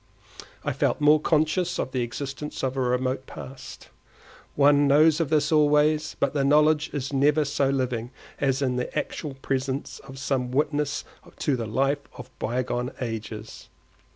I felt more conscious of the existence of a remote past. One knows of this always, but the knowledge is never so living as in the actual presence of some witness to the life of bygone ages.